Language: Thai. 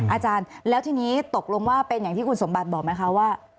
อาจารย์แล้วทีนี้ตกลงว่าเป็นอย่างที่คุณสมบัติบอกไหมคะว่า